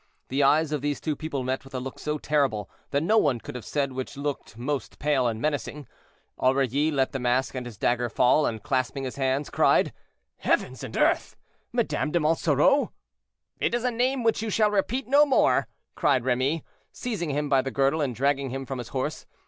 The eyes of these two people met with a look so terrible, that no one could have said which looked most pale and menacing. Aurilly let the mask and his dagger fall, and clasping his hands, cried, "Heavens and earth! Madame de Monsoreau!" "It is a name which you shall repeat no more," cried Remy, seizing him by the girdle and dragging him from his horse.